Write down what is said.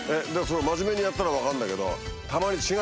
真面目にやったのは分かるんだけど。